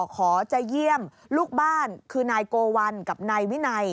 ขอจะเยี่ยมลูกบ้านคือนายโกวัลกับนายวินัย